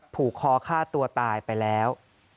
ผูกคอฆ่าตัวตายไปแล้ว